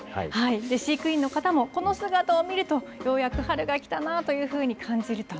飼育員の方もこの姿を見ると、ようやく春が来たなというふうに感じると。